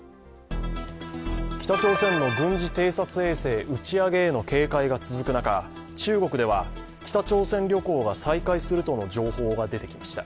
北朝鮮の軍事偵察衛星打ち上げへの警戒が続く中、中国では北朝鮮旅行が再開するとの情報が出てきました。